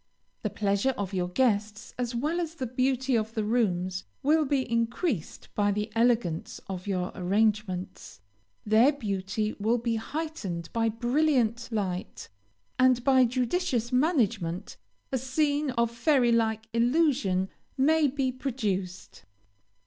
The pleasure of your guests, as well as the beauty of the rooms, will be increased by the elegance of your arrangements; their beauty will be heightened by brilliant light, and by judicious management a scene of fairy like illusion may be produced.